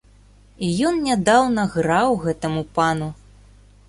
І ён нядаўна граў гэтаму пану.